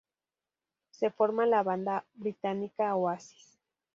Se forma la banda británica Oasis.